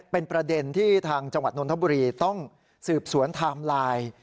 เป็นประเด็นที่ทางจังหวัดนทบุรีต้องสืบสวนไทม์ไลน์